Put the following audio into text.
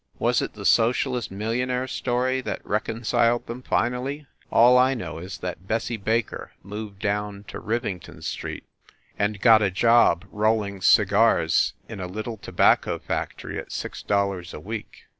Was it the socialist millionaire story which reconciled them, finally ? All I know is that Bessie Baker moved down to Riving ton Street and got a job rolling cigars in a little to bacco factory at six dollars a week.